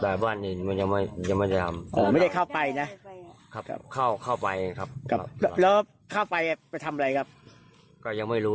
เอาไปครับหลับไปแล้วครับ